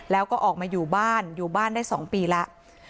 แล้วก็ออกมาอยู่บ้านอยู่บ้านได้๒ปีแล้ว